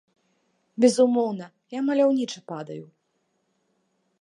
Безумоўна, я маляўніча падаю!